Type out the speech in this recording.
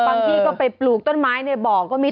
ที่ก็ไปปลูกต้นไม้ในบ่อก็มี